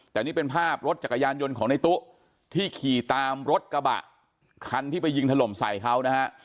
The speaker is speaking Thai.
แต่นี่เป็นภาพรถจักรยานยนต์ของในตู้ที่ขี่ตามรถกระบะคันที่ไปยิงถล่มใส่เขานะฮะ